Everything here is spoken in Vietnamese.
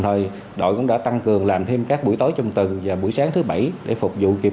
rồi đội cũng đã tăng cường làm thêm các buổi tối trong từ và buổi sáng thứ bảy để phục vụ kịp